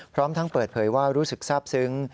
พร้อมทั้งเปิดเผยว่ารู้สึกทราบซึ้ง